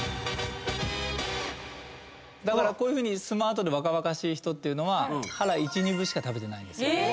だからこういうふうにスマートで若々しい人っていうのは腹一二分しか食べてない。